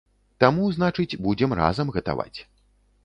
Таму, значыць, будзем разам гатаваць.